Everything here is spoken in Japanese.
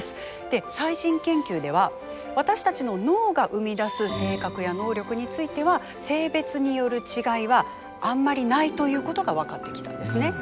最新研究では私たちの脳が生み出す性格や能力については性別による違いはあんまりないということが分かってきたんですね。